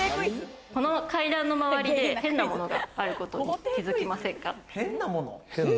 この階段の周りで変なものがあることに気づきませんか？